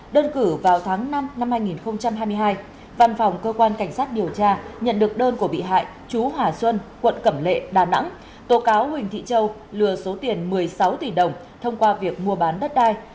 đơn cử vào tháng năm năm hai nghìn hai mươi hai văn phòng cơ quan cảnh sát điều tra nhận được đơn của bị hại chú hòa xuân quận cẩm lệ đà nẵng tố cáo huỳnh thị châu lừa số tiền một mươi sáu tỷ đồng thông qua việc mua bán đất đai